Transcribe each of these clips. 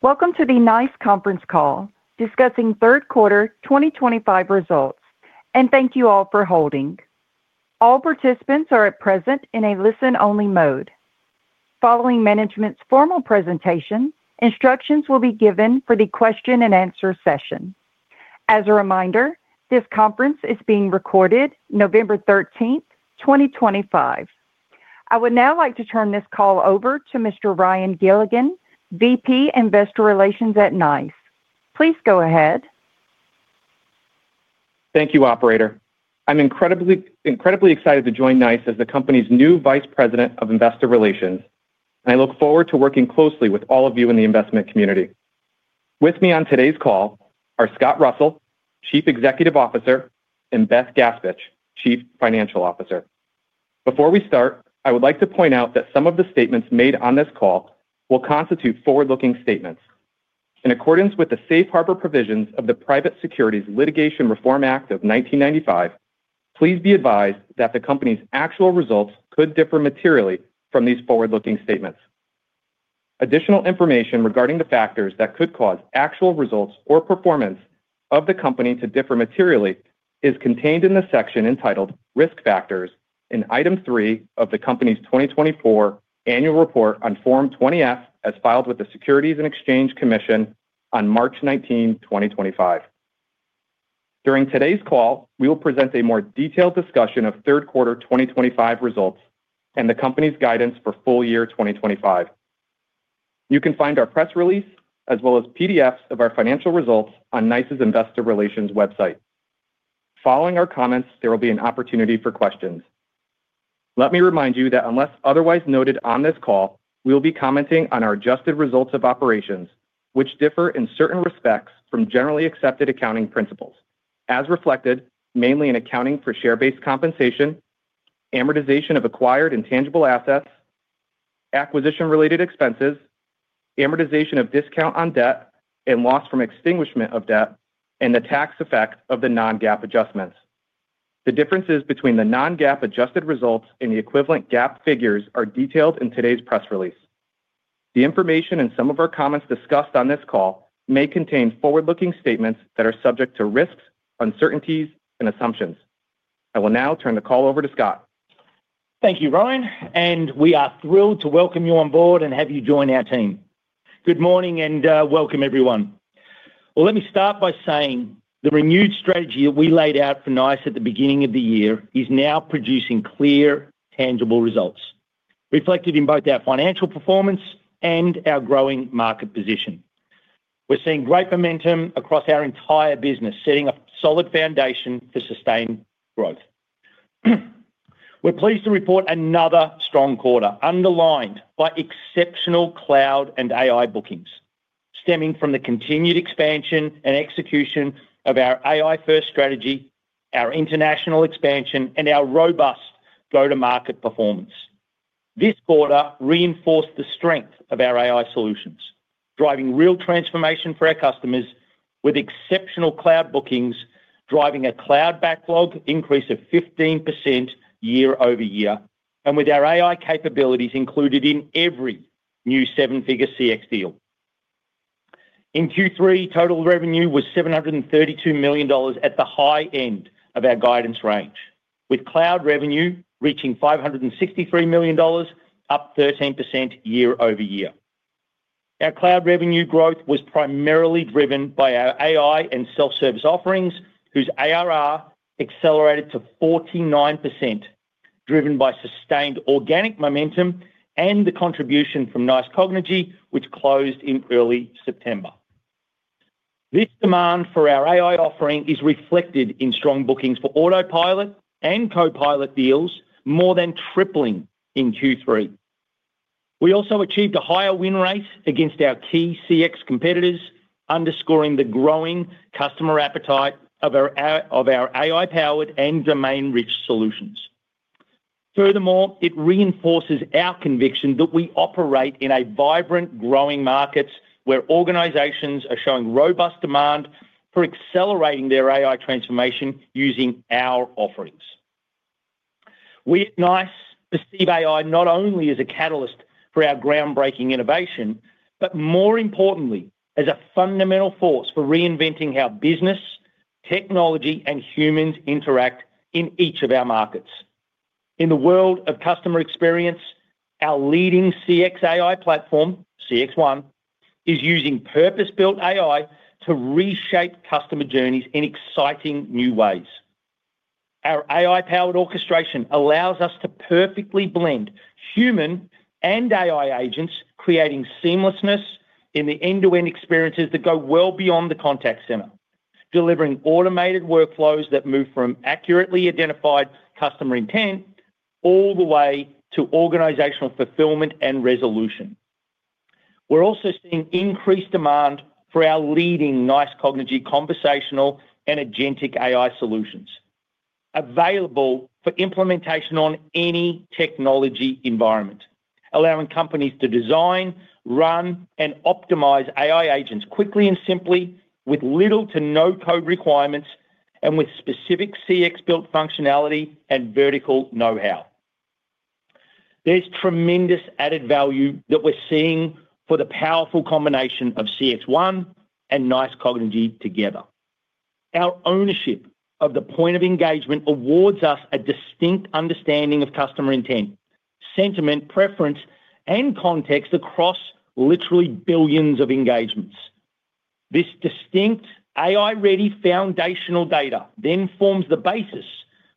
Welcome to the NICE Conference Call discussing third quarter 2025 results, and thank you all for holding. All participants are at present in a listen-only mode. Following management's formal presentation, instructions will be given for the question-and-answer session. As a reminder, this conference is being recorded November 13, 2025. I would now like to turn this call over to Mr. Ryan Gilligan, VP Investor Relations at NICE. Please go ahead. Thank you, Operator. I'm incredibly excited to join NICE as the company's new Vice President of Investor Relations, and I look forward to working closely with all of you in the investment community. With me on today's call are Scott Russell, Chief Executive Officer, and Beth Gaspich, Chief Financial Officer. Before we start, I would like to point out that some of the statements made on this call will constitute forward-looking statements. In accordance with the Safe Harbor Provisions of the Private Securities Litigation Reform Act of 1995, please be advised that the company's actual results could differ materially from these forward-looking statements. Additional information regarding the factors that could cause actual results or performance of the company to differ materially is contained in the section entitled Risk Factors in Item 3 of the company's 2024 Annual Report on Form 20F, as filed with the Securities and Exchange Commission on March 19, 2025. During today's call, we will present a more detailed discussion of third quarter 2025 results and the company's guidance for full year 2025. You can find our press release as well as PDFs of our financial results on NICE's Investor Relations website. Following our comments, there will be an opportunity for questions. Let me remind you that unless otherwise noted on this call, we will be commenting on our adjusted results of operations, which differ in certain respects from generally accepted accounting principles, as reflected mainly in accounting for share-based compensation, amortization of acquired intangible assets, acquisition-related expenses, amortization of discount on debt and loss from extinguishment of debt, and the tax effect of the non-GAAP adjustments. The differences between the non-GAAP adjusted results and the equivalent GAAP figures are detailed in today's press release. The information and some of our comments discussed on this call may contain forward-looking statements that are subject to risks, uncertainties, and assumptions. I will now turn the call over to Scott. Thank you, Ryan, and we are thrilled to welcome you on board and have you join our team. Good morning and welcome, everyone. Let me start by saying the renewed strategy that we laid out for NICE at the beginning of the year is now producing clear, tangible results reflected in both our financial performance and our growing market position. We're seeing great momentum across our entire business, setting a solid foundation for sustained growth. We're pleased to report another strong quarter underlined by exceptional cloud and AI bookings, stemming from the continued expansion and execution of our AI-first strategy, our international expansion, and our robust go-to-market performance. This quarter reinforced the strength of our AI solutions, driving real transformation for our customers with exceptional cloud bookings, driving a cloud backlog increase of 15% year over year, and with our AI capabilities included in every new seven-figure CX deal. In Q3, total revenue was $732 million at the high end of our guidance range, with cloud revenue reaching $563 million, up 13% year over year. Our cloud revenue growth was primarily driven by our AI and self-service offerings, whose ARR accelerated to 49%, driven by sustained organic momentum and the contribution from NICE Cognigy, which closed in early September. This demand for our AI offering is reflected in strong bookings for Autopilot and Copilot deals, more than tripling in Q3. We also achieved a higher win rate against our key CX competitors, underscoring the growing customer appetite of our AI-powered and domain-rich solutions. Furthermore, it reinforces our conviction that we operate in a vibrant, growing market where organizations are showing robust demand for accelerating their AI transformation using our offerings. We at NICE perceive AI not only as a catalyst for our groundbreaking innovation, but more importantly, as a fundamental force for reinventing how business, technology, and humans interact in each of our markets. In the world of customer experience, our leading CX AI platform, CX One, is using purpose-built AI to reshape customer journeys in exciting new ways. Our AI-powered orchestration allows us to perfectly blend human and AI agents, creating seamlessness in the end-to-end experiences that go well beyond the contact center, delivering automated workflows that move from accurately identified customer intent all the way to organizational fulfillment and resolution. We're also seeing increased demand for our leading NICE Cognigy conversational and agentic AI solutions available for implementation on any technology environment, allowing companies to design, run, and optimize AI agents quickly and simply, with little to no code requirements and with specific CX-built functionality and vertical know-how. There's tremendous added value that we're seeing for the powerful combination of CX One and NICE Cognigy together. Our ownership of the point of engagement awards us a distinct understanding of customer intent, sentiment, preference, and context across literally billions of engagements. This distinct AI-ready foundational data then forms the basis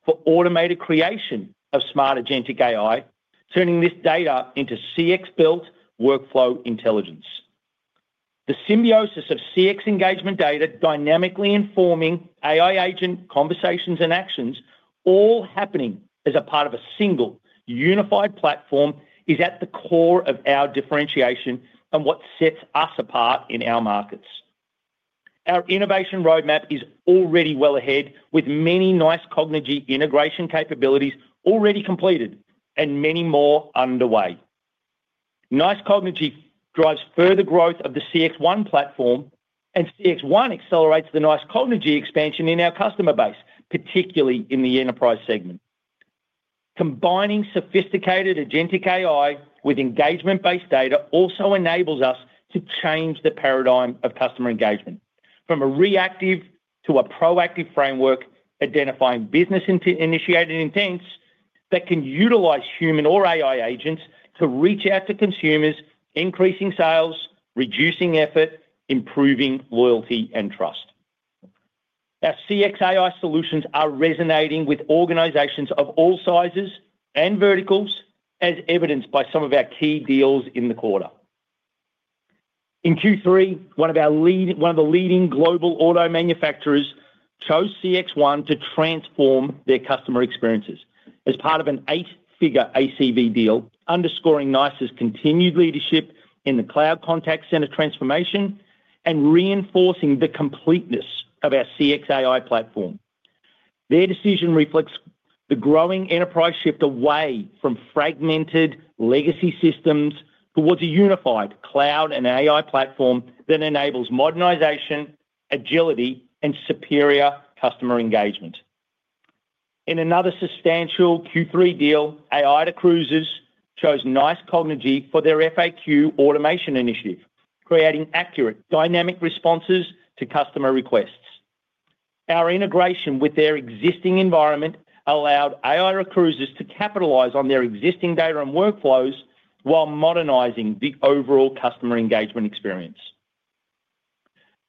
for automated creation of smart agentic AI, turning this data into CX-built workflow intelligence. The symbiosis of CX engagement data dynamically informing AI agent conversations and actions, all happening as a part of a single unified platform, is at the core of our differentiation and what sets us apart in our markets. Our innovation roadmap is already well ahead, with many NICE Cognigy integration capabilities already completed and many more underway. NICE Cognigy drives further growth of the CX One platform, and CX One accelerates the NICE Cognigy expansion in our customer base, particularly in the enterprise segment. Combining sophisticated agentic AI with engagement-based data also enables us to change the paradigm of customer engagement from a reactive to a proactive framework, identifying business-initiated intents that can utilize human or AI agents to reach out to consumers, increasing sales, reducing effort, improving loyalty and trust. Our CX AI solutions are resonating with organizations of all sizes and verticals, as evidenced by some of our key deals in the quarter. In Q3, one of the leading global auto manufacturers chose CX One to transform their customer experiences as part of an eight-figure ACV deal, underscoring NICE's continued leadership in the cloud contact center transformation and reinforcing the completeness of our CX AI platform. Their decision reflects the growing enterprise shift away from fragmented legacy systems towards a unified cloud and AI platform that enables modernization, agility, and superior customer engagement. In another substantial Q3 deal, AI recruiters chose NICE Cognigy for their FAQ automation initiative, creating accurate dynamic responses to customer requests. Our integration with their existing environment allowed AI recruiters to capitalize on their existing data and workflows while modernizing the overall customer engagement experience.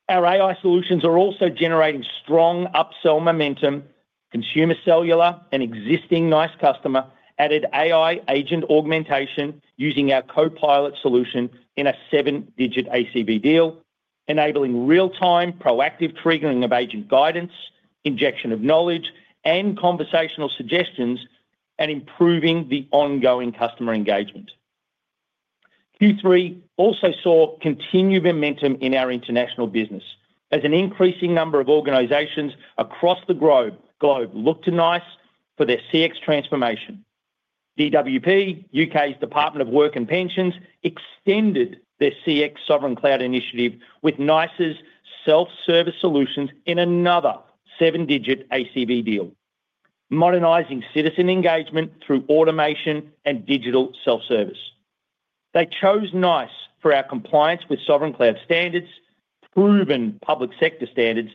Our AI solutions are also generating strong upsell momentum. Consumer Cellular, an existing NICE customer, added AI agent augmentation using our Copilot solution in a seven-digit ACV deal, enabling real-time proactive triggering of agent guidance, injection of knowledge, and conversational suggestions, and improving the ongoing customer engagement. Q3 also saw continued momentum in our international business as an increasing number of organizations across the globe looked to NICE for their CX transformation. DWP, U.K.'s Department of Work and Pensions, extended their CX sovereign cloud initiative with NICE's self-service solutions in another seven-digit ACV deal, modernizing citizen engagement through automation and digital self-service. They chose NICE for our compliance with sovereign cloud standards, proven public sector standards,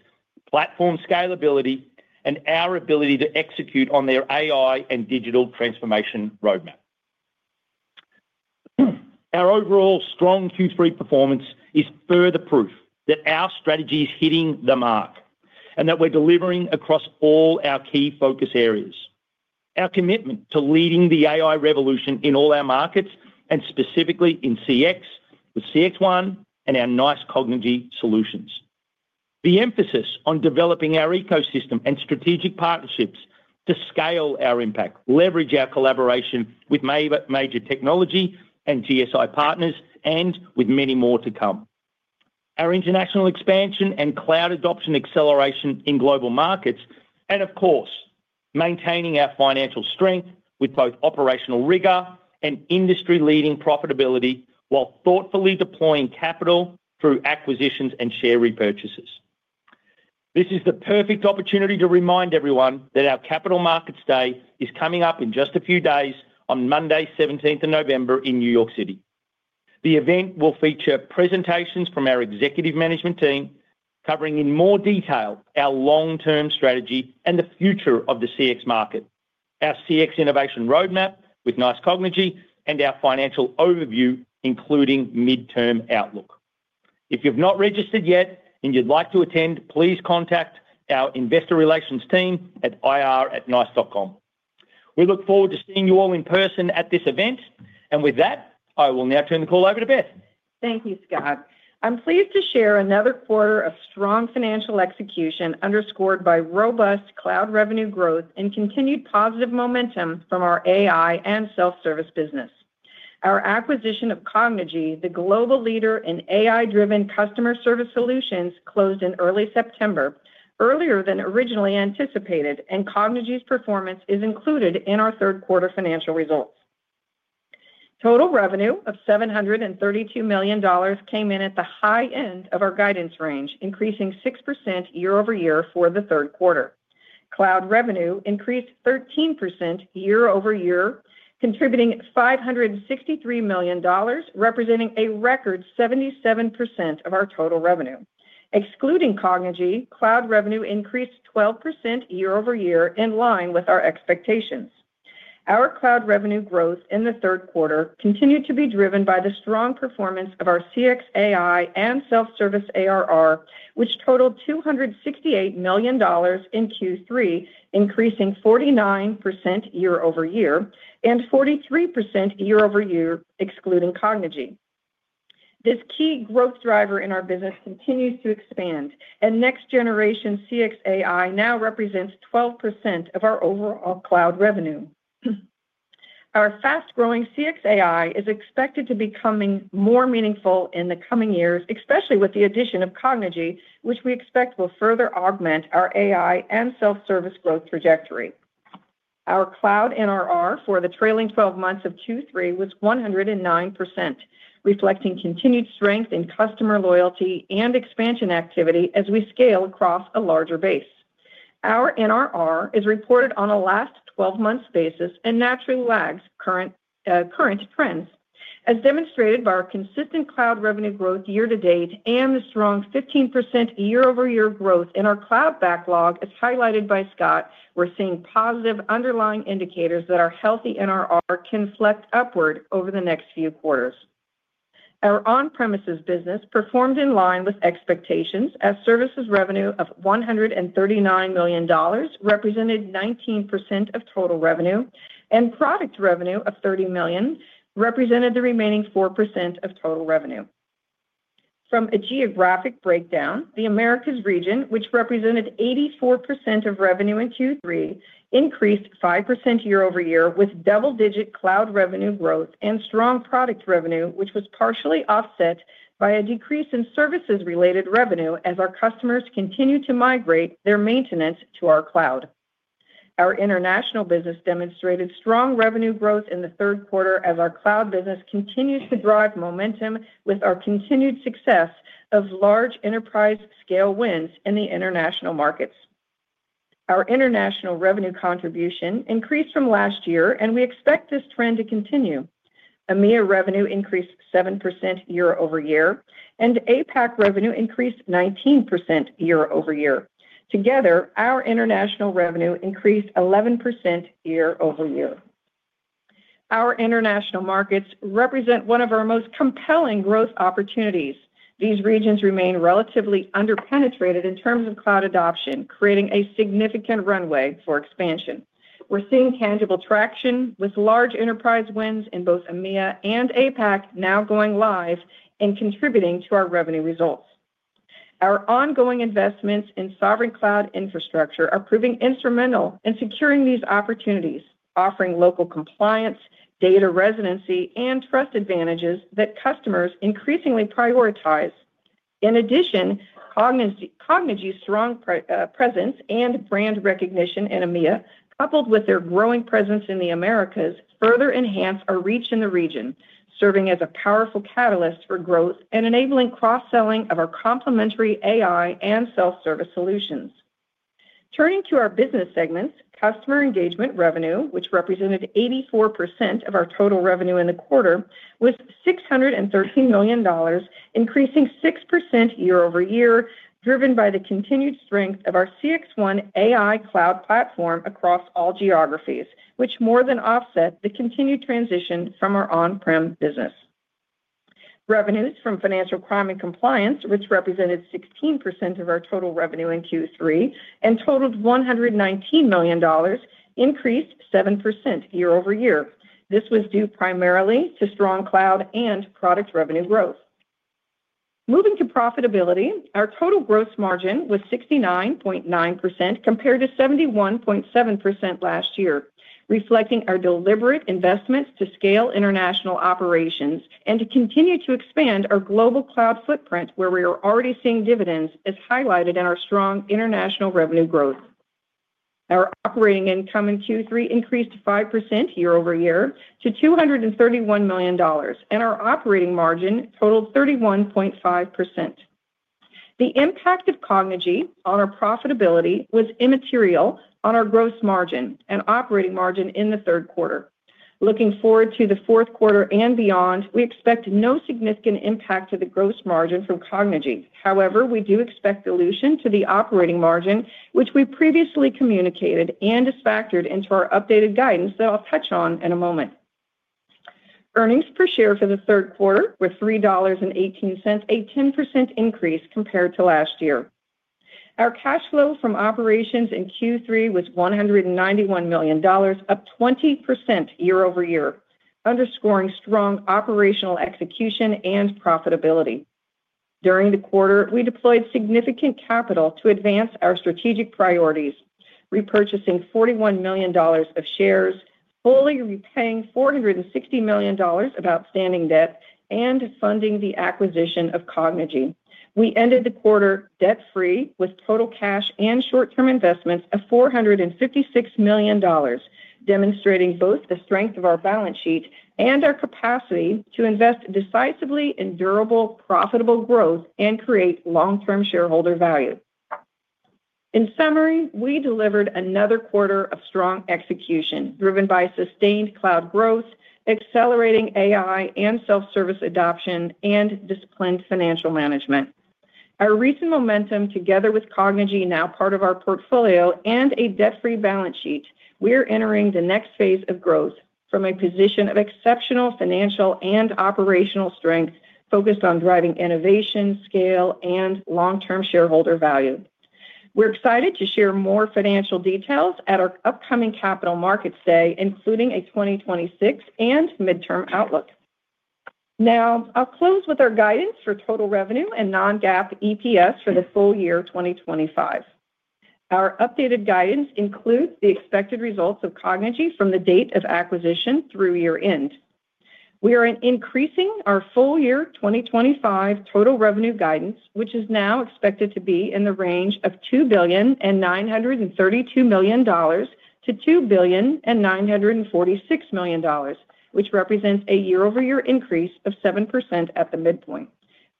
platform scalability, and our ability to execute on their AI and digital transformation roadmap. Our overall strong Q3 performance is further proof that our strategy is hitting the mark and that we're delivering across all our key focus areas. Our commitment to leading the AI revolution in all our markets, and specifically in CX, with CX One and our NICE Cognigy solutions. The emphasis on developing our ecosystem and strategic partnerships to scale our impact, leverage our collaboration with major technology and GSI partners, and with many more to come. Our international expansion and cloud adoption acceleration in global markets, and of course, maintaining our financial strength with both operational rigor and industry-leading profitability while thoughtfully deploying capital through acquisitions and share repurchases. This is the perfect opportunity to remind everyone that our Capital Markets Day is coming up in just a few days on Monday, 17th of November, in New York City. The event will feature presentations from our executive management team, covering in more detail our long-term strategy and the future of the CX market, our CX innovation roadmap with NICE Cognigy, and our financial overview, including midterm outlook. If you've not registered yet and you'd like to attend, please contact our investor relations team at ir@nice.com. We look forward to seeing you all in person at this event. With that, I will now turn the call over to Beth. Thank you, Scott. I'm pleased to share another quarter of strong financial execution underscored by robust cloud revenue growth and continued positive momentum from our AI and self-service business. Our acquisition of Cognigy, the global leader in AI-driven customer service solutions, closed in early September, earlier than originally anticipated, and Cognigy's performance is included in our third quarter financial results. Total revenue of $732 million came in at the high end of our guidance range, increasing 6% year over year for the third quarter. Cloud revenue increased 13% year over year, contributing $563 million, representing a record 77% of our total revenue. Excluding Cognigy, cloud revenue increased 12% year over year, in line with our expectations. Our cloud revenue growth in the third quarter continued to be driven by the strong performance of our CX AI and self-service ARR, which totaled $268 million in Q3, increasing 49% year over year and 43% year over year, excluding Cognigy. This key growth driver in our business continues to expand, and next-generation CX AI now represents 12% of our overall cloud revenue. Our fast-growing CX AI is expected to become more meaningful in the coming years, especially with the addition of Cognigy, which we expect will further augment our AI and self-service growth trajectory. Our cloud NRR for the trailing 12 months of Q3 was 109%, reflecting continued strength in customer loyalty and expansion activity as we scale across a larger base. Our NRR is reported on a last 12-month basis and naturally lags current trends, as demonstrated by our consistent cloud revenue growth year to date and the strong 15% year-over-year growth in our cloud backlog, as highlighted by Scott. We're seeing positive underlying indicators that our healthy NRR can flex upward over the next few quarters. Our on-premises business performed in line with expectations, as services revenue of $139 million represented 19% of total revenue, and product revenue of $30 million represented the remaining 4% of total revenue. From a geographic breakdown, the Americas region, which represented 84% of revenue in Q3, increased 5% year-over-year with double-digit cloud revenue growth and strong product revenue, which was partially offset by a decrease in services-related revenue as our customers continue to migrate their maintenance to our cloud. Our international business demonstrated strong revenue growth in the third quarter as our cloud business continues to drive momentum with our continued success of large enterprise-scale wins in the international markets. Our international revenue contribution increased from last year, and we expect this trend to continue. EMEA revenue increased 7% year-over-year, and APAC revenue increased 19% year-over-year. Together, our international revenue increased 11% year-over-year. Our international markets represent one of our most compelling growth opportunities. These regions remain relatively underpenetrated in terms of cloud adoption, creating a significant runway for expansion. We're seeing tangible traction with large enterprise wins in both EMEA and APAC now going live and contributing to our revenue results. Our ongoing investments in sovereign cloud infrastructure are proving instrumental in securing these opportunities, offering local compliance, data residency, and trust advantages that customers increasingly prioritize. In addition, Cognigy's strong presence and brand recognition in EMEA, coupled with their growing presence in the Americas, further enhance our reach in the region, serving as a powerful catalyst for growth and enabling cross-selling of our complementary AI and self-service solutions. Turning to our business segments, customer engagement revenue, which represented 84% of our total revenue in the quarter, was $613 million, increasing 6% year-over-year, driven by the continued strength of our CX One AI cloud platform across all geographies, which more than offset the continued transition from our on-prem business. Revenues from financial crime and compliance, which represented 16% of our total revenue in Q3 and totaled $119 million, increased 7% year-over-year. This was due primarily to strong cloud and product revenue growth. Moving to profitability, our total gross margin was 69.9% compared to 71.7% last year, reflecting our deliberate investments to scale international operations and to continue to expand our global cloud footprint, where we are already seeing dividends, as highlighted in our strong international revenue growth. Our operating income in Q3 increased 5% year-over-year to $231 million, and our operating margin totaled 31.5%. The impact of Cognigy on our profitability was immaterial on our gross margin and operating margin in the third quarter. Looking forward to the fourth quarter and beyond, we expect no significant impact to the gross margin from Cognigy. However, we do expect dilution to the operating margin, which we previously communicated and is factored into our updated guidance that I'll touch on in a moment. Earnings per share for the third quarter were $3.18, a 10% increase compared to last year. Our cash flow from operations in Q3 was $191 million, up 20% year-over-year, underscoring strong operational execution and profitability. During the quarter, we deployed significant capital to advance our strategic priorities, repurchasing $41 million of shares, fully repaying $460 million of outstanding debt, and funding the acquisition of Cognigy. We ended the quarter debt-free with total cash and short-term investments of $456 million, demonstrating both the strength of our balance sheet and our capacity to invest decisively in durable, profitable growth and create long-term shareholder value. In summary, we delivered another quarter of strong execution, driven by sustained cloud growth, accelerating AI and self-service adoption, and disciplined financial management. Our recent momentum, together with Cognigy, now part of our portfolio, and a debt-free balance sheet, we are entering the next phase of growth from a position of exceptional financial and operational strength focused on driving innovation, scale, and long-term shareholder value. We're excited to share more financial details at our upcoming Capital Markets Day, including a 2026 and midterm outlook. Now, I'll close with our guidance for total revenue and non-GAAP EPS for the full year 2025. Our updated guidance includes the expected results of Cognigy from the date of acquisition through year-end. We are increasing our full year 2025 total revenue guidance, which is now expected to be in the range of $2,932 million-$2,946 million, which represents a year-over-year increase of 7% at the midpoint.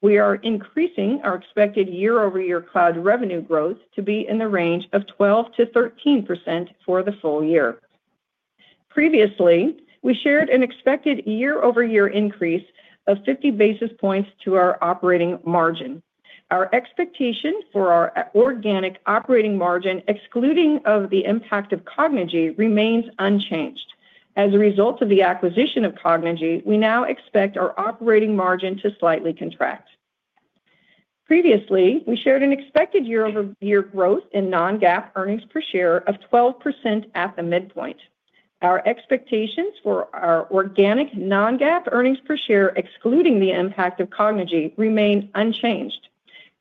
We are increasing our expected year-over-year cloud revenue growth to be in the range of 12%-13% for the full year. Previously, we shared an expected year-over-year increase of 50 basis points to our operating margin. Our expectation for our organic operating margin, excluding the impact of Cognigy, remains unchanged. As a result of the acquisition of Cognigy, we now expect our operating margin to slightly contract. Previously, we shared an expected year-over-year growth in non-GAAP earnings per share of 12% at the midpoint. Our expectations for our organic non-GAAP earnings per share, excluding the impact of Cognigy, remain unchanged.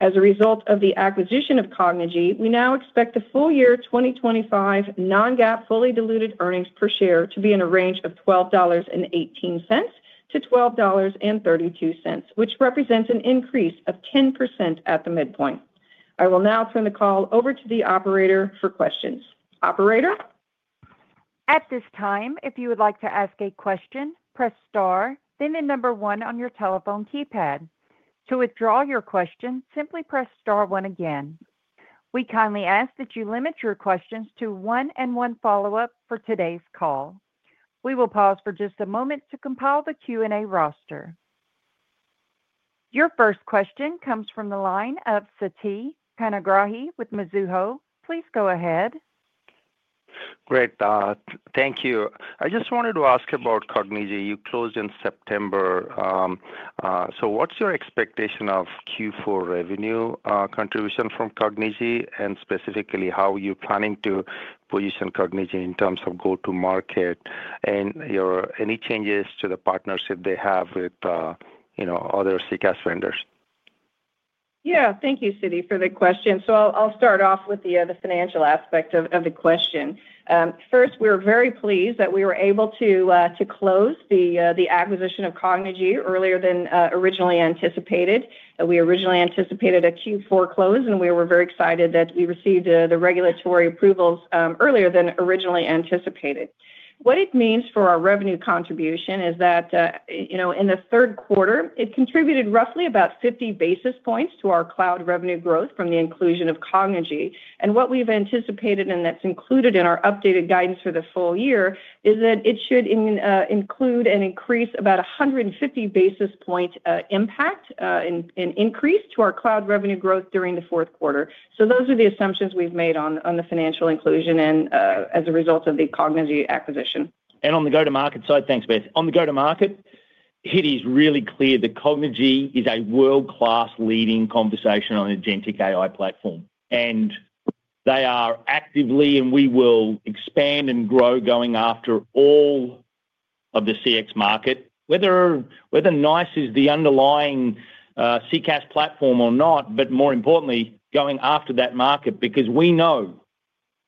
As a result of the acquisition of Cognigy, we now expect the full year 2025 non-GAAP fully diluted earnings per share to be in a range of $12.18-$12.32, which represents an increase of 10% at the midpoint. I will now turn the call over to the operator for questions. Operator. At this time, if you would like to ask a question, press star, then the number one on your telephone keypad. To withdraw your question, simply press star one again. We kindly ask that you limit your questions to one and one follow-up for today's call. We will pause for just a moment to compile the Q&A roster. Your first question comes from the line of Siti Panigrahi with Mizuho. Please go ahead. Great. Thank you. I just wanted to ask about Cognigy. You closed in September. What is your expectation of Q4 revenue contribution from Cognigy and specifically how you are planning to position Cognigy in terms of go-to-market and any changes to the partnership they have with other CCAS vendors? Yeah. Thank you, Siti, for the question. I'll start off with the financial aspect of the question. First, we're very pleased that we were able to close the acquisition of Cognigy earlier than originally anticipated. We originally anticipated a Q4 close, and we were very excited that we received the regulatory approvals earlier than originally anticipated. What it means for our revenue contribution is that in the third quarter, it contributed roughly about 50 basis points to our cloud revenue growth from the inclusion of Cognigy. What we've anticipated, and that's included in our updated guidance for the full year, is that it should include and increase about a 150 basis point impact and increase to our cloud revenue growth during the fourth quarter. Those are the assumptions we've made on the financial inclusion and as a result of the Cognigy acquisition. On the go-to-market side, thanks, Beth. On the go-to-market, it is really clear that Cognigy is a world-class leading conversational agentic AI platform. They are actively, and we will expand and grow going after all of the CX market, whether NICE is the underlying CCAS platform or not, but more importantly, going after that market, because we know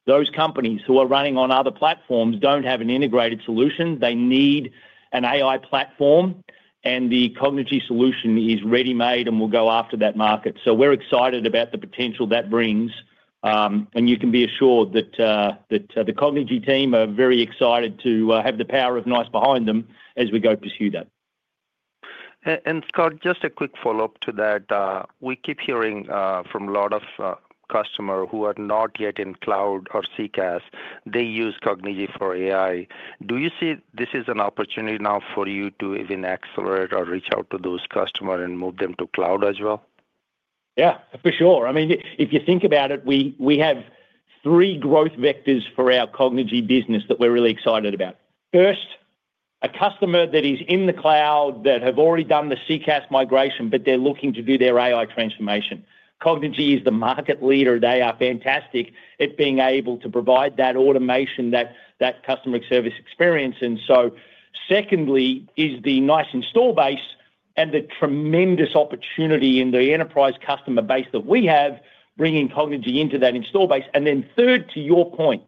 those companies who are running on other platforms do not have an integrated solution. They need an AI platform, and the Cognigy solution is ready-made and will go after that market. We are excited about the potential that brings. You can be assured that the Cognigy team are very excited to have the power of NICE behind them as we go pursue that. Scott, just a quick follow-up to that. We keep hearing from a lot of customers who are not yet in cloud or CCAS. They use Cognigy for AI. Do you see this as an opportunity now for you to even accelerate or reach out to those customers and move them to cloud as well? Yeah, for sure. I mean, if you think about it, we have three growth vectors for our Cognigy business that we're really excited about. First, a customer that is in the cloud that has already done the CCAS migration, but they're looking to do their AI transformation. Cognigy is the market leader. They are fantastic at being able to provide that automation, that customer service experience. Secondly is the NICE install base and the tremendous opportunity in the enterprise customer base that we have bringing Cognigy into that install base. Third, to your point,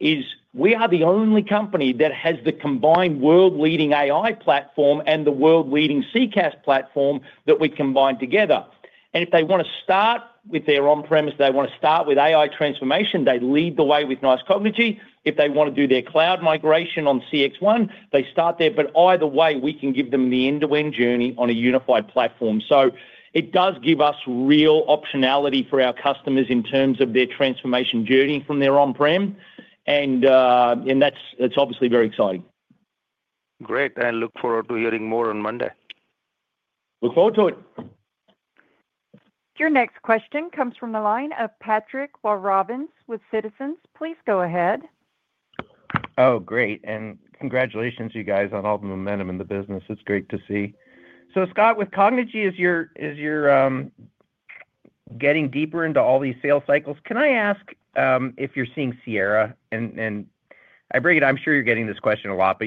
is we are the only company that has the combined world-leading AI platform and the world-leading CCAS platform that we combine together. If they want to start with their on-premise, they want to start with AI transformation, they lead the way with NICE Cognigy. If they want to do their cloud migration on CX One, they start there. Either way, we can give them the end-to-end journey on a unified platform. It does give us real optionality for our customers in terms of their transformation journey from their on-prem. That is obviously very exciting. Great. I look forward to hearing more on Monday. Look forward to it. Your next question comes from the line of Patrick Walrobins with Citizens. Please go ahead. Oh, great. And congratulations, you guys, on all the momentum in the business. It's great to see. Scott, with Cognigy, as you're getting deeper into all these sales cycles, can I ask if you're seeing Sierra? I'm sure you're getting this question a lot, but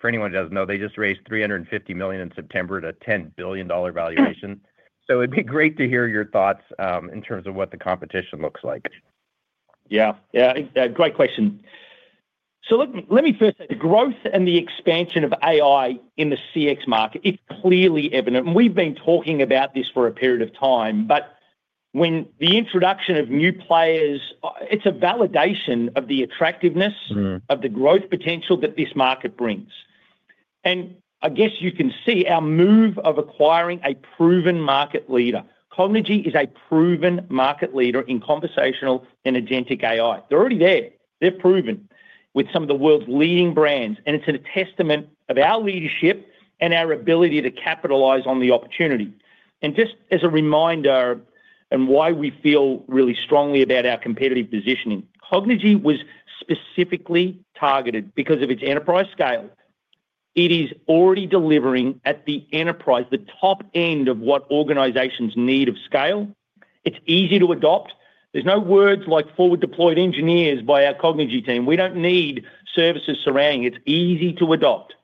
for anyone who doesn't know, they just raised $350 million in September at a $10 billion valuation. It'd be great to hear your thoughts in terms of what the competition looks like. Yeah. Yeah. Great question. Let me first say the growth and the expansion of AI in the CX market is clearly evident. We've been talking about this for a period of time. With the introduction of new players, it's a validation of the attractiveness of the growth potential that this market brings. I guess you can see our move of acquiring a proven market leader. Cognigy is a proven market leader in conversational and agentic AI. They're already there. They're proven with some of the world's leading brands. It's a testament of our leadership and our ability to capitalize on the opportunity. Just as a reminder and why we feel really strongly about our competitive positioning, Cognigy was specifically targeted because of its enterprise scale. It is already delivering at the enterprise, the top end of what organizations need of scale. It's easy to adopt. There's no words like forward-deployed engineers by our Cognigy team. We don't need services surrounding. It's easy to adopt.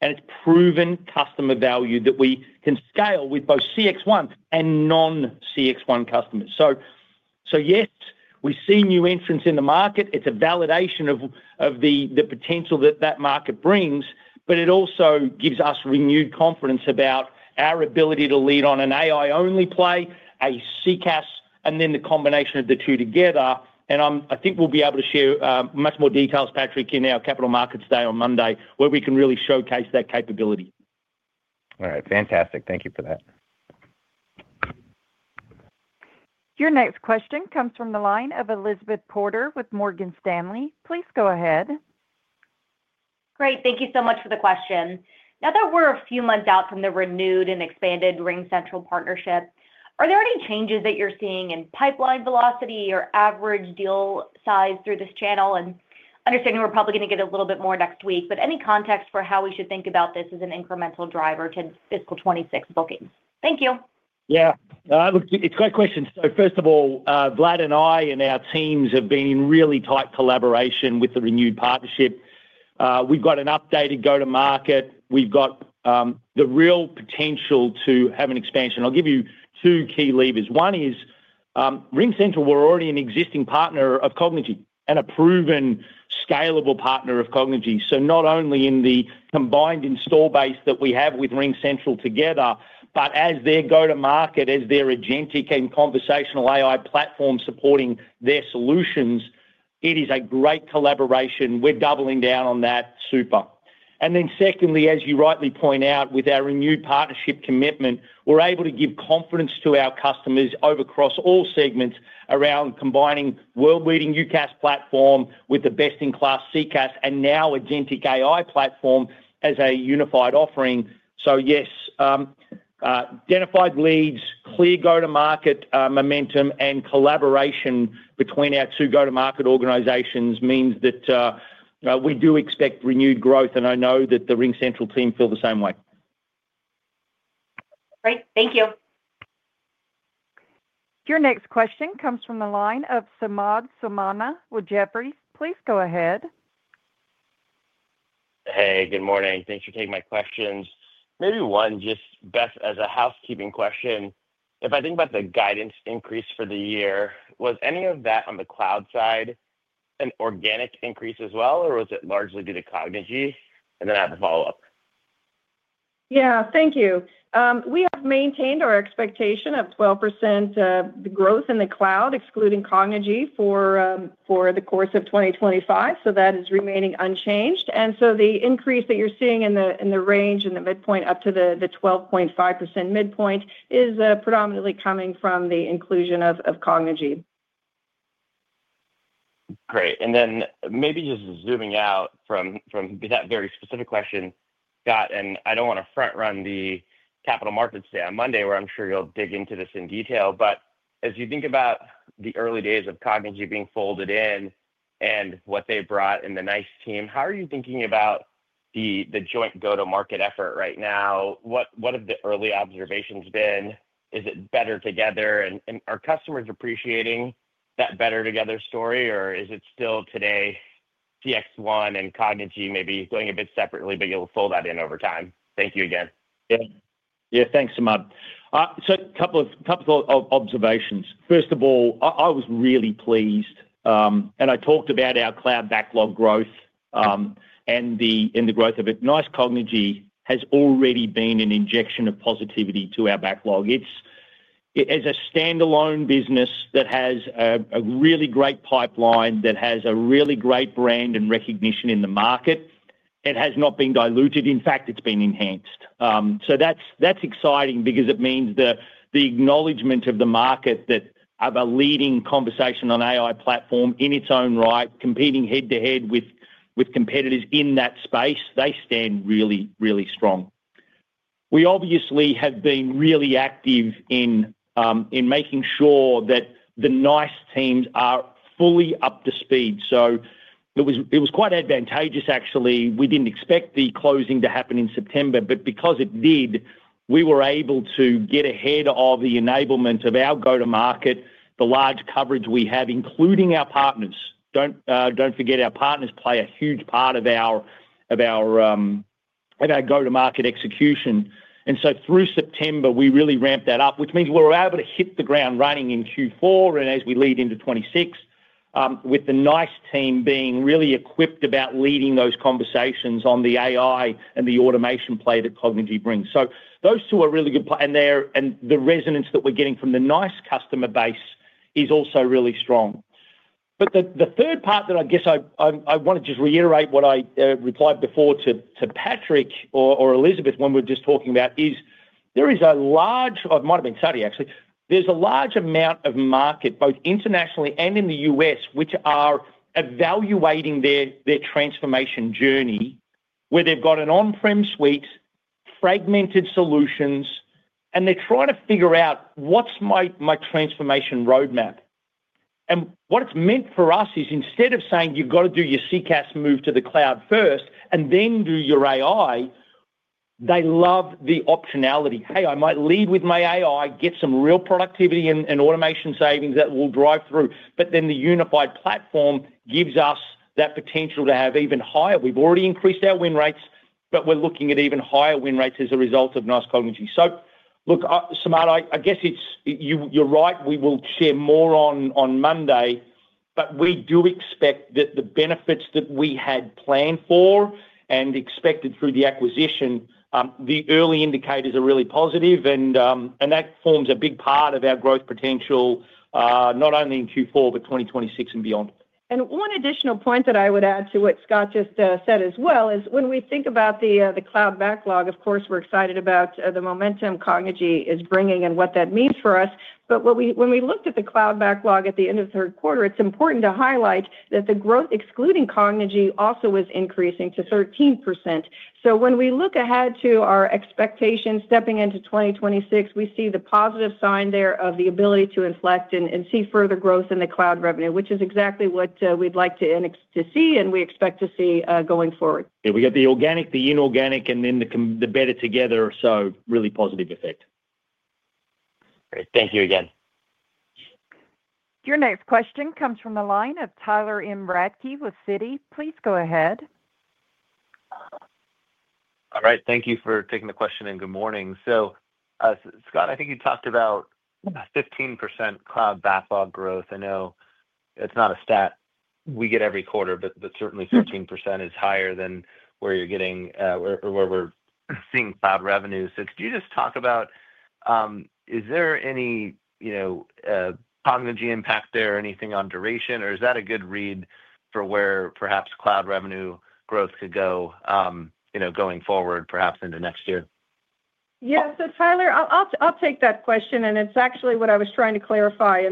It's proven customer value that we can scale with both CX One and non-CX One customers. Yes, we see new entrants in the market. It's a validation of the potential that that market brings, but it also gives us renewed confidence about our ability to lead on an AI-only play, a CCAS, and then the combination of the two together. I think we'll be able to share much more details, Patrick, in our Capital Markets Day on Monday, where we can really showcase that capability. All right. Fantastic. Thank you for that. Your next question comes from the line of Elizabeth Porter with Morgan Stanley. Please go ahead. Great. Thank you so much for the question. Now that we're a few months out from the renewed and expanded RingCentral partnership, are there any changes that you're seeing in pipeline velocity or average deal size through this channel? I understand we're probably going to get a little bit more next week, but any context for how we should think about this as an incremental driver to fiscal 2026 bookings? Thank you. Yeah. It's a great question. First of all, Vlad and I and our teams have been in really tight collaboration with the renewed partnership. We've got an updated go-to-market. We've got the real potential to have an expansion. I'll give you two key levers. One is RingCentral, we're already an existing partner of Cognigy and a proven scalable partner of Cognigy. Not only in the combined install base that we have with RingCentral together, but as their go-to-market, as their agentic and conversational AI platform supporting their solutions, it is a great collaboration. We're doubling down on that. Super. Secondly, as you rightly point out, with our renewed partnership commitment, we're able to give confidence to our customers across all segments around combining world-leading UCAS platform with the best-in-class CCAS and now agentic AI platform as a unified offering. Yes, identified leads, clear go-to-market momentum, and collaboration between our two go-to-market organizations means that we do expect renewed growth. I know that the RingCentral team feel the same way. Great. Thank you. Your next question comes from the line of Samad Samana with Jefferies. Please go ahead. Hey, good morning. Thanks for taking my questions. Maybe one, just Beth, as a housekeeping question. If I think about the guidance increase for the year, was any of that on the cloud side an organic increase as well, or was it largely due to Cognigy? I have a follow-up. Yeah. Thank you. We have maintained our expectation of 12% growth in the cloud, excluding Cognigy, for the course of 2025. That is remaining unchanged. The increase that you're seeing in the range in the midpoint up to the 12.5% midpoint is predominantly coming from the inclusion of Cognigy. Great. Maybe just zooming out from that very specific question, Scott, I do not want to front-run the Capital Markets Day on Monday, where I am sure you will dig into this in detail. As you think about the early days of Cognigy being folded in and what they brought in the NICE team, how are you thinking about the joint go-to-market effort right now? What have the early observations been? Is it better together? Are customers appreciating that better together story, or is it still today CX One and Cognigy maybe going a bit separately, but you will fold that in over time? Thank you again. Yeah. Yeah. Thanks, Samad. A couple of observations. First of all, I was really pleased. I talked about our cloud backlog growth and the growth of it. NICE Cognigy has already been an injection of positivity to our backlog. As a standalone business that has a really great pipeline, that has a really great brand and recognition in the market, it has not been diluted. In fact, it has been enhanced. That is exciting because it means the acknowledgment of the market of a leading conversational AI platform in its own right, competing head-to-head with competitors in that space, they stand really, really strong. We obviously have been really active in making sure that the NICE teams are fully up to speed. It was quite advantageous, actually. We did not expect the closing to happen in September, but because it did, we were able to get ahead of the enablement of our go-to-market, the large coverage we have, including our partners. Do not forget, our partners play a huge part of our go-to-market execution. Through September, we really ramped that up, which means we were able to hit the ground running in Q4 as we lead into 2026, with the NICE team being really equipped about leading those conversations on the AI and the automation play that Cognigy brings. Those two are really good. The resonance that we are getting from the NICE customer base is also really strong. The third part that I guess I want to just reiterate what I replied before to Patrick or Elizabeth when we're just talking about is there is a large—it might have been Saturday, actually—there's a large amount of market, both internationally and in the U.S., which are evaluating their transformation journey, where they've got an on-prem suite, fragmented solutions, and they're trying to figure out what's my transformation roadmap. What it's meant for us is instead of saying, "You've got to do your CCAS move to the cloud first and then do your AI," they love the optionality. "Hey, I might lead with my AI, get some real productivity and automation savings that will drive through." Then the unified platform gives us that potential to have even higher. We've already increased our win rates, but we're looking at even higher win rates as a result of NICE Cognigy. Look, Samad, I guess you're right. We will share more on Monday, but we do expect that the benefits that we had planned for and expected through the acquisition, the early indicators are really positive. That forms a big part of our growth potential, not only in Q4, but 2026 and beyond. One additional point that I would add to what Scott just said as well is when we think about the cloud backlog, of course, we're excited about the momentum Cognigy is bringing and what that means for us. When we looked at the cloud backlog at the end of the third quarter, it's important to highlight that the growth, excluding Cognigy, also was increasing to 13%. When we look ahead to our expectations stepping into 2026, we see the positive sign there of the ability to inflect and see further growth in the cloud revenue, which is exactly what we'd like to see and we expect to see going forward. Yeah. We got the organic, the inorganic, and then the better together. So really positive effect. Great. Thank you again. Your next question comes from the line of Tyler M. Radtke with Citi. Please go ahead. All right. Thank you for taking the question and good morning. Scott, I think you talked about 15% cloud backlog growth. I know it's not a stat we get every quarter, but certainly 15% is higher than where you're getting or where we're seeing cloud revenue. Could you just talk about, is there any Cognigy impact there or anything on duration, or is that a good read for where perhaps cloud revenue growth could go going forward, perhaps into next year? Yeah. Tyler, I'll take that question. It's actually what I was trying to clarify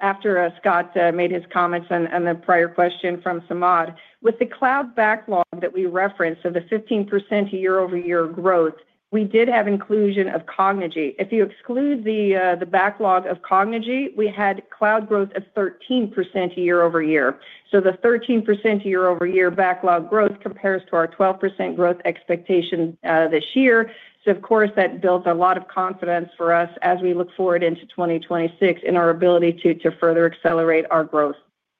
after Scott made his comments and the prior question from Samad. With the cloud backlog that we referenced of the 15% year-over-year growth, we did have inclusion of Cognigy. If you exclude the backlog of Cognigy, we had cloud growth of 13% year-over-year. The 13% year-over-year backlog growth compares to our 12% growth expectation this year. That built a lot of confidence for us as we look forward into 2026 in our ability to further accelerate our growth.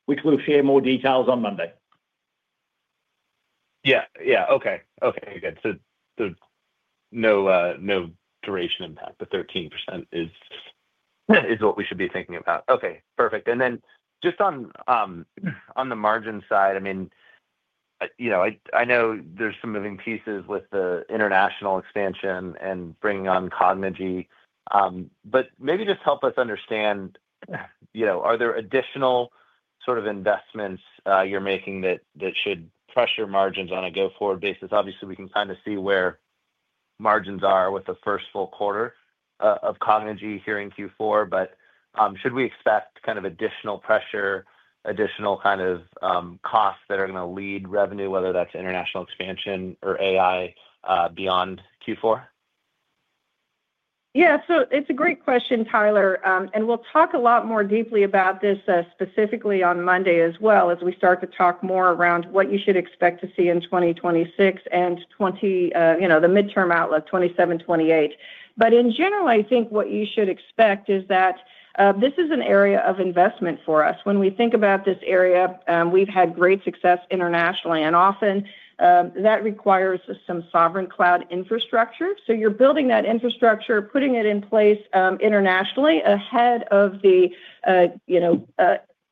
Which we'll share more details on Monday. Yeah. Yeah. Okay. Okay. Good. So no duration impact. The 13% is what we should be thinking about. Okay. Perfect. And then just on the margin side, I mean, I know there's some moving pieces with the international expansion and bringing on Cognigy. But maybe just help us understand, are there additional sort of investments you're making that should pressure margins on a go-forward basis? Obviously, we can kind of see where margins are with the first full quarter of Cognigy here in Q4, but should we expect kind of additional pressure, additional kind of costs that are going to lead revenue, whether that's international expansion or AI beyond Q4? Yeah. It's a great question, Tyler. We'll talk a lot more deeply about this specifically on Monday as well, as we start to talk more around what you should expect to see in 2026 and the midterm outlook, 2027, 2028. In general, I think what you should expect is that this is an area of investment for us. When we think about this area, we've had great success internationally. Often, that requires some sovereign cloud infrastructure. You're building that infrastructure, putting it in place internationally ahead of the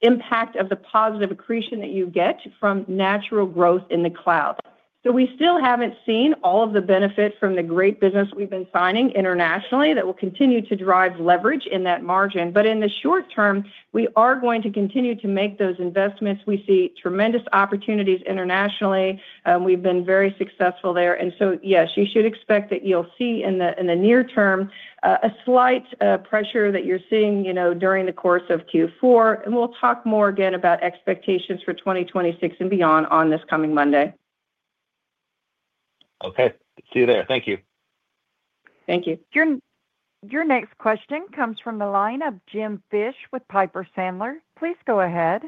impact of the positive accretion that you get from natural growth in the cloud. We still haven't seen all of the benefit from the great business we've been signing internationally that will continue to drive leverage in that margin. In the short term, we are going to continue to make those investments. We see tremendous opportunities internationally. We have been very successful there. Yes, you should expect that you will see in the near term a slight pressure that you are seeing during the course of Q4. We will talk more again about expectations for 2026 and beyond on this coming Monday. Okay. See you there. Thank you. Thank you. Your next question comes from the line of Jim Fish with Piper Sandler. Please go ahead.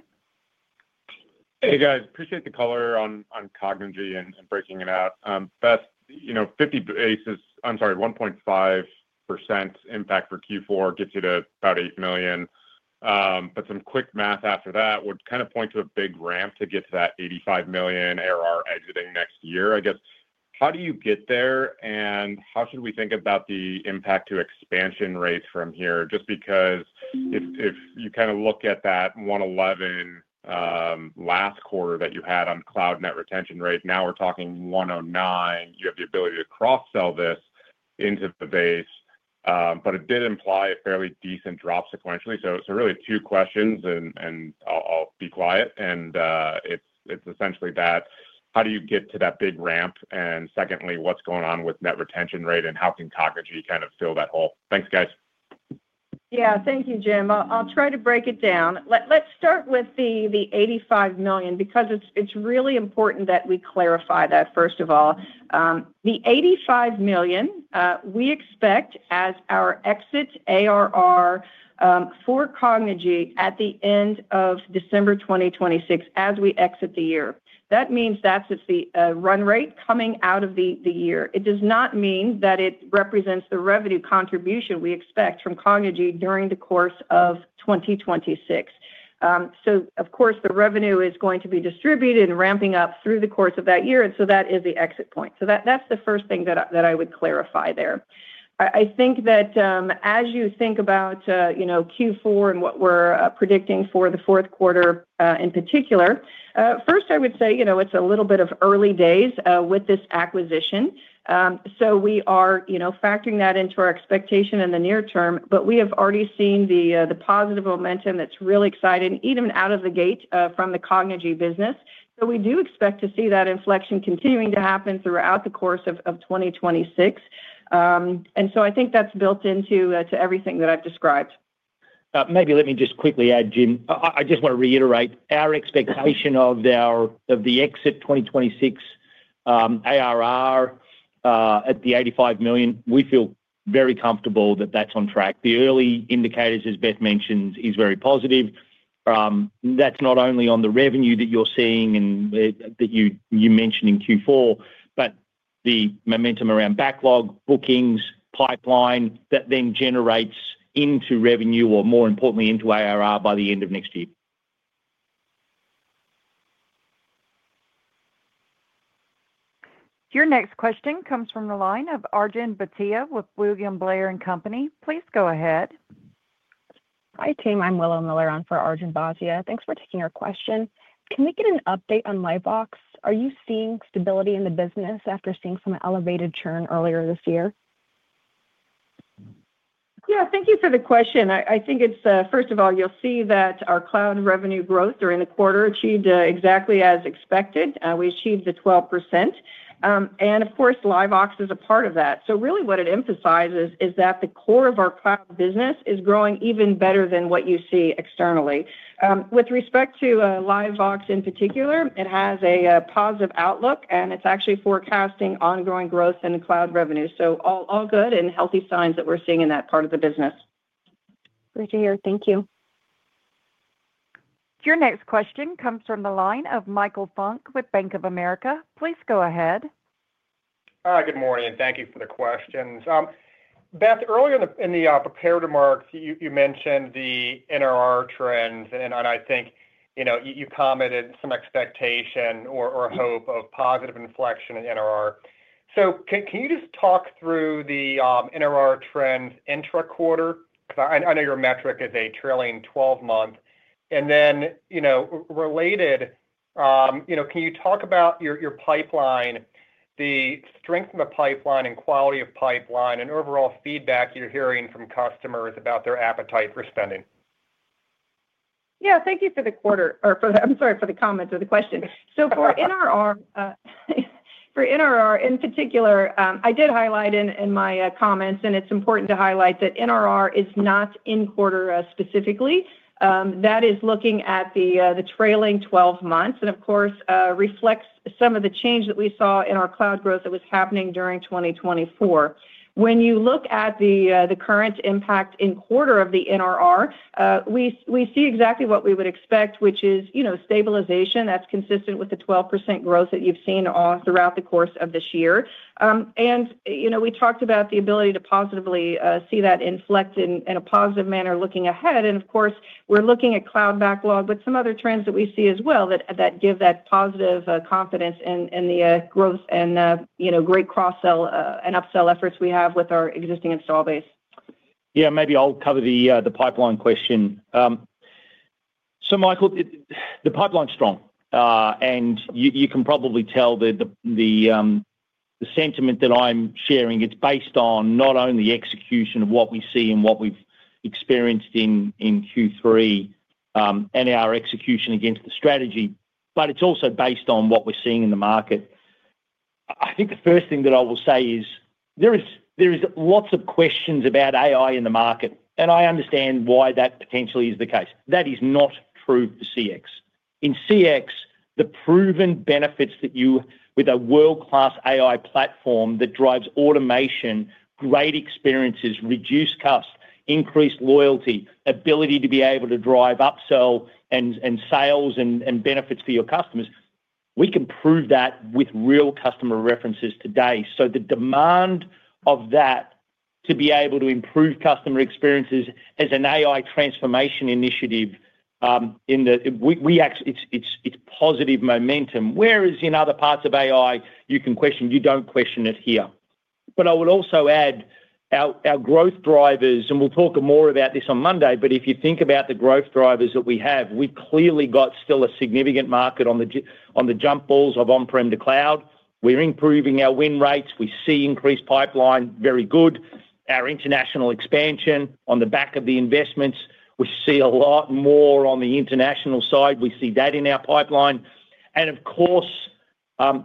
Hey, guys. Appreciate the color on Cognigy and breaking it out. Beth, 50 basis points—I'm sorry, 1.5% impact for Q4 gets you to about $8 million. But some quick math after that would kind of point to a big ramp to get to that $85 million ARR exiting next year. I guess, how do you get there? And how should we think about the impact to expansion rate from here? Just because if you kind of look at that 111 last quarter that you had on cloud net retention rate, now we're talking 109. You have the ability to cross-sell this into the base. It did imply a fairly decent drop sequentially. Really two questions, and I'll be quiet. It's essentially that, how do you get to that big ramp? Secondly, what's going on with net retention rate, and how can Cognigy kind of fill that hole? Thanks, guys. Yeah. Thank you, Jim. I'll try to break it down. Let's start with the $85 million because it's really important that we clarify that, first of all. The $85 million, we expect as our exit ARR for Cognigy at the end of December 2026, as we exit the year. That means that's the run rate coming out of the year. It does not mean that it represents the revenue contribution we expect from Cognigy during the course of 2026. Of course, the revenue is going to be distributed and ramping up through the course of that year. That is the exit point. That's the first thing that I would clarify there. I think that as you think about Q4 and what we're predicting for the fourth quarter in particular, first, I would say it's a little bit of early days with this acquisition. We are factoring that into our expectation in the near term, but we have already seen the positive momentum that is really exciting, even out of the gate from the Cognigy business. We do expect to see that inflection continuing to happen throughout the course of 2026. I think that is built into everything that I have described. Maybe let me just quickly add, Jim. I just want to reiterate our expectation of the exit 2026 ARR at the $85 million. We feel very comfortable that that's on track. The early indicators, as Beth mentioned, are very positive. That's not only on the revenue that you're seeing and that you mentioned in Q4, but the momentum around backlog, bookings, pipeline that then generates into revenue, or more importantly, into ARR by the end of next year. Your next question comes from the line of Arjun Bhatia with William Blair and Company. Please go ahead. Hi, team. I'm Willow Miller on for Arjun Bhatia. Thanks for taking our question. Can we get an update on Livebox? Are you seeing stability in the business after seeing some elevated churn earlier this year? Yeah. Thank you for the question. I think it's, first of all, you'll see that our cloud revenue growth during the quarter achieved exactly as expected. We achieved the 12%. Of course, Livebox is a part of that. Really what it emphasizes is that the core of our cloud business is growing even better than what you see externally. With respect to Livebox in particular, it has a positive outlook, and it's actually forecasting ongoing growth in cloud revenue. All good and healthy signs that we're seeing in that part of the business. Great to hear. Thank you. Your next question comes from the line of Michael Funk with Bank of America. Please go ahead. Hi, good morning. Thank you for the questions. Beth, earlier in the preparatory marks, you mentioned the NRR trends, and I think you commented some expectation or hope of positive inflection in NRR. Can you just talk through the NRR trend intra-quarter? I know your metric is a trailing 12-month. Related, can you talk about your pipeline, the strength of the pipeline and quality of pipeline, and overall feedback you're hearing from customers about their appetite for spending? Yeah. Thank you for the quarter or, I'm sorry, for the comment or the question. So for NRR in particular, I did highlight in my comments, and it's important to highlight that NRR is not in quarter specifically. That is looking at the trailing 12 months and, of course, reflects some of the change that we saw in our cloud growth that was happening during 2024. When you look at the current impact in quarter of the NRR, we see exactly what we would expect, which is stabilization that's consistent with the 12% growth that you've seen throughout the course of this year. We talked about the ability to positively see that inflect in a positive manner looking ahead. Of course, we're looking at cloud backlog, but some other trends that we see as well that give that positive confidence in the growth and great cross-sell and upsell efforts we have with our existing install base. Yeah. Maybe I'll cover the pipeline question. So Michael, the pipeline's strong. You can probably tell that the sentiment that I'm sharing, it's based on not only execution of what we see and what we've experienced in Q3 and our execution against the strategy, but it's also based on what we're seeing in the market. I think the first thing that I will say is there is lots of questions about AI in the market. I understand why that potentially is the case. That is not true for CX. In CX, the proven benefits that you with a world-class AI platform that drives automation, great experiences, reduced costs, increased loyalty, ability to be able to drive upsell and sales and benefits for your customers, we can prove that with real customer references today. The demand of that to be able to improve customer experiences as an AI transformation initiative, it's positive momentum. Whereas in other parts of AI, you can question, you don't question it here. I would also add our growth drivers, and we'll talk more about this on Monday, but if you think about the growth drivers that we have, we've clearly got still a significant market on the jump balls of on-prem to cloud. We're improving our win rates. We see increased pipeline. Very good. Our international expansion on the back of the investments. We see a lot more on the international side. We see that in our pipeline. Of course, I'm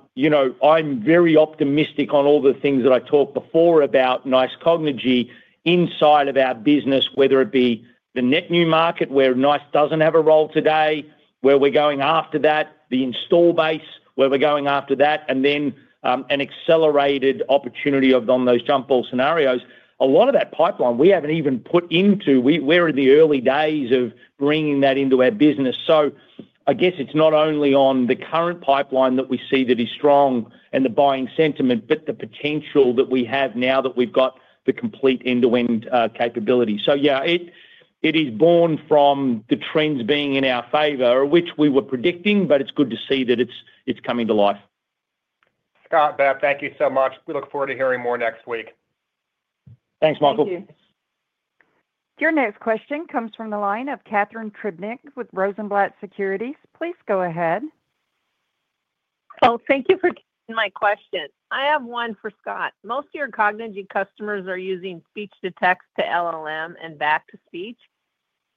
very optimistic on all the things that I talked before about NICE Cognigy inside of our business, whether it be the net new market where NICE doesn't have a role today, where we're going after that, the install base, where we're going after that, and then an accelerated opportunity on those jump ball scenarios. A lot of that pipeline, we haven't even put into. We're in the early days of bringing that into our business. I guess it's not only on the current pipeline that we see that is strong and the buying sentiment, but the potential that we have now that we've got the complete end-to-end capability. Yeah, it is born from the trends being in our favor, which we were predicting, but it's good to see that it's coming to life. Scott, Beth, thank you so much. We look forward to hearing more next week. Thanks, Michael. Thank you. Your next question comes from the line of Catherine Tribnick with Rosenblatt Securities. Please go ahead. Oh, thank you for taking my question. I have one for Scott. Most of your Cognigy customers are using speech-to-text to LLM and back-to-speech.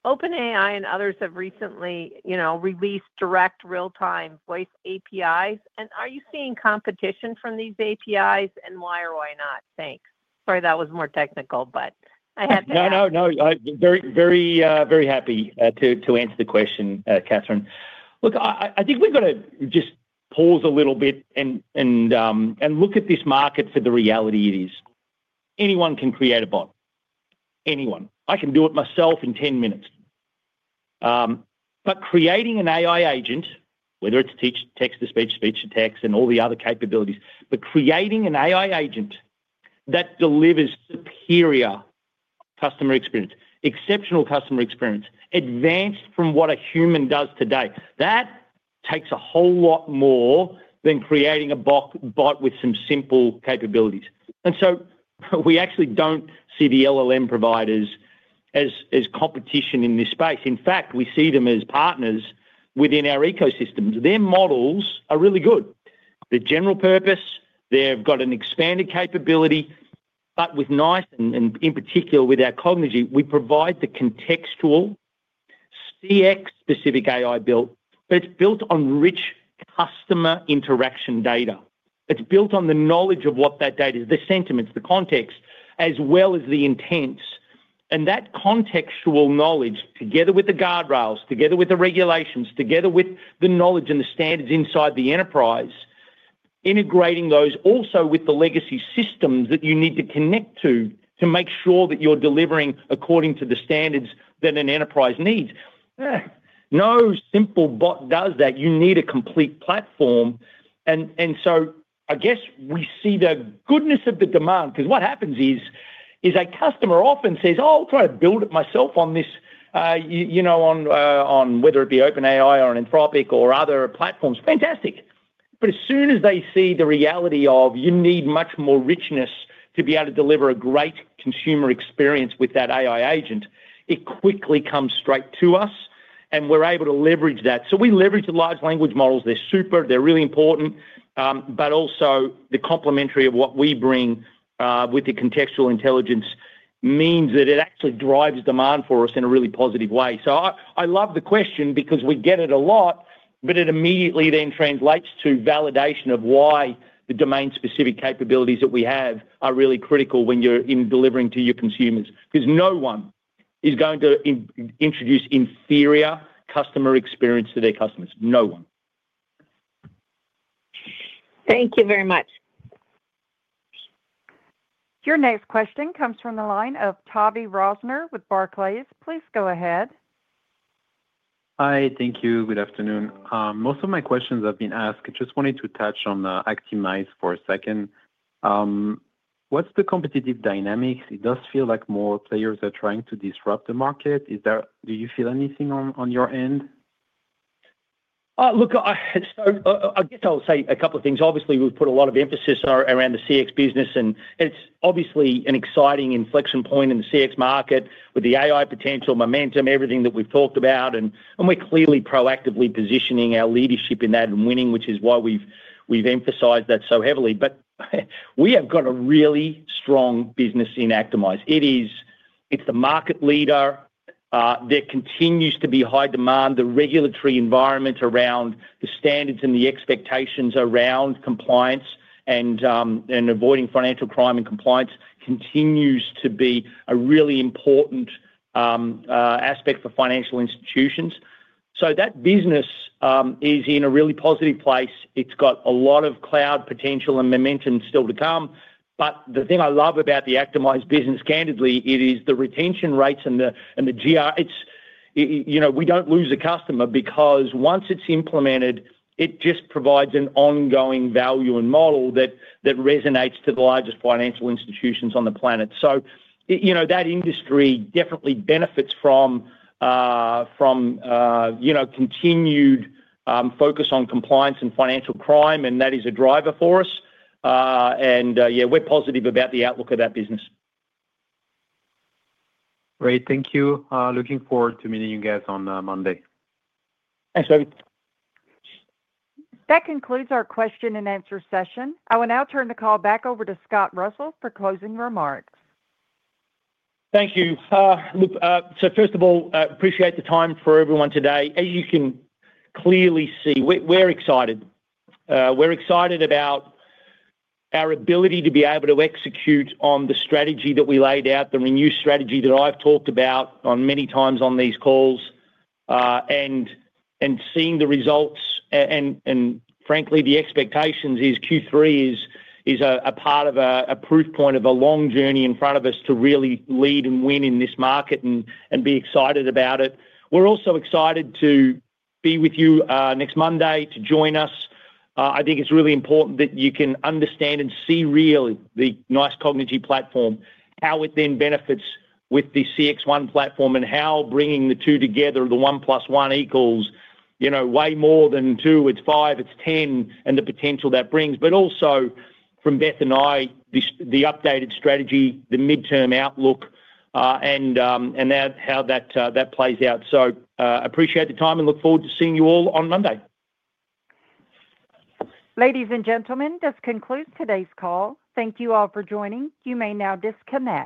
OpenAI and others have recently released direct real-time voice APIs. Are you seeing competition from these APIs? Why or why not? Thanks. Sorry, that was more technical, but I had to ask. No, no, no. Very, very happy to answer the question, Catherine. Look, I think we've got to just pause a little bit and look at this market for the reality it is. Anyone can create a bot. Anyone. I can do it myself in 10 minutes. Creating an AI agent, whether it's text-to-speech, speech-to-text, and all the other capabilities, creating an AI agent that delivers superior customer experience, exceptional customer experience, advanced from what a human does today, that takes a whole lot more than creating a bot with some simple capabilities. We actually do not see the LLM providers as competition in this space. In fact, we see them as partners within our ecosystems. Their models are really good. The general purpose, they've got an expanded capability. With NICE, and in particular with our Cognigy, we provide the contextual CX-specific AI built. It's built on rich customer interaction data. It's built on the knowledge of what that data is, the sentiments, the context, as well as the intents. That contextual knowledge, together with the guardrails, together with the regulations, together with the knowledge and the standards inside the enterprise, integrating those also with the legacy systems that you need to connect to to make sure that you're delivering according to the standards that an enterprise needs. No simple bot does that. You need a complete platform. I guess we see the goodness of the demand. Because what happens is a customer often says, "Oh, I'll try to build it myself on this," on whether it be OpenAI or Anthropic or other platforms. Fantastic. As soon as they see the reality of you need much more richness to be able to deliver a great consumer experience with that AI agent, it quickly comes straight to us, and we're able to leverage that. We leverage the large language models. They're super. They're really important. Also, the complementary of what we bring with the contextual intelligence means that it actually drives demand for us in a really positive way. I love the question because we get it a lot, but it immediately then translates to validation of why the domain-specific capabilities that we have are really critical when you're delivering to your consumers. No one is going to introduce inferior customer experience to their customers. No one. Thank you very much. Your next question comes from the line of Tavy Rosner with Barclays. Please go ahead. Hi. Thank you. Good afternoon. Most of my questions have been asked. I just wanted to touch on Actimize for a second. What's the competitive dynamic? It does feel like more players are trying to disrupt the market. Do you feel anything on your end? Look, I guess I'll say a couple of things. Obviously, we've put a lot of emphasis around the CX business, and it's obviously an exciting inflection point in the CX market with the AI potential, momentum, everything that we've talked about. We're clearly proactively positioning our leadership in that and winning, which is why we've emphasized that so heavily. We have got a really strong business in Actimize. It's the market leader. There continues to be high demand. The regulatory environment around the standards and the expectations around compliance and avoiding financial crime and compliance continues to be a really important aspect for financial institutions. That business is in a really positive place. It's got a lot of cloud potential and momentum still to come. The thing I love about the Actimize business, candidly, it is the retention rates and the GR. We do not lose a customer because once it is implemented, it just provides an ongoing value and model that resonates to the largest financial institutions on the planet. That industry definitely benefits from continued focus on compliance and financial crime, and that is a driver for us. Yeah, we are positive about the outlook of that business. Great. Thank you. Looking forward to meeting you guys on Monday. Thanks, Tavy. That concludes our question-and-answer session. I will now turn the call back over to Scott Russell for closing remarks. Thank you. First of all, I appreciate the time for everyone today. As you can clearly see, we're excited. We're excited about our ability to be able to execute on the strategy that we laid out, the renewed strategy that I've talked about many times on these calls and seeing the results. Frankly, the expectations is Q3 is a part of a proof point of a long journey in front of us to really lead and win in this market and be excited about it. We're also excited to be with you next Monday to join us. I think it's really important that you can understand and see really the NICE Cognigy platform, how it then benefits with the CX One platform and how bringing the two together, the one plus one equals way more than two. It's five. It's 10 and the potential that brings. Also from Beth and I, the updated strategy, the midterm outlook, and how that plays out. I appreciate the time and look forward to seeing you all on Monday. Ladies and gentlemen, this concludes today's call. Thank you all for joining. You may now disconnect.